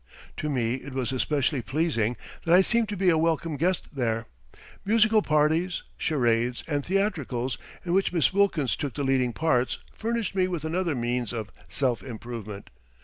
To me it was especially pleasing that I seemed to be a welcome guest there. Musical parties, charades, and theatricals in which Miss Wilkins took the leading parts furnished me with another means of self improvement.